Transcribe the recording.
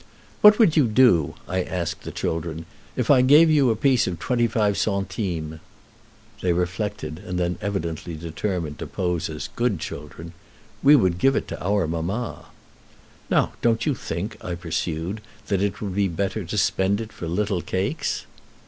"What would you do," I asked the children, "if I gave you a piece of twenty five centimes?" They reflected, and then evidently determined to pose as good children. "We would give it to our mamma." "Now don't you think," I pursued, "that it would be better to spend it for little cakes?"